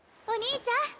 お兄ちゃん。